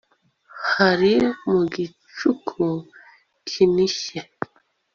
Hari mu gicuku kinishye